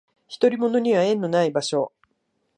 独り者には縁のない場所